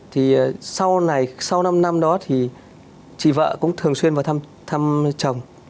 thì sau năm năm đó thì chị vợ cũng thường xuyên vào thăm chồng